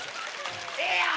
ええやん！